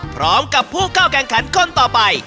พร้อมกับผู้เข้าแข่งขันคนต่อไป